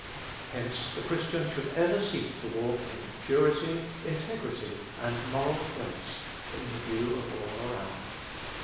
Hence, the Christian should ever seek to walk in purity, integrity, and moral grace, in the view of all around.